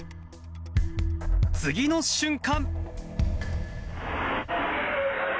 次の瞬間。